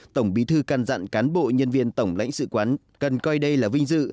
tổng bí thư căn dặn cán bộ nhân viên tổng lãnh sự quán cần coi đây là vinh dự